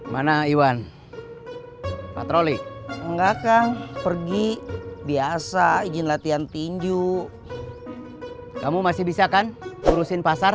mana iwan patroli enggak kang pergi biasa izin latihan tinju kamu masih bisa kan urusin pasar